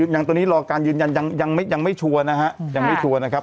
ยังตอนนี้รอการยืนยันยังไม่ชัวร์นะครับ